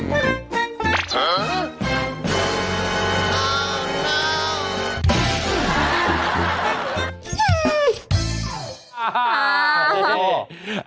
โอ้โห